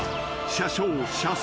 車掌車窓。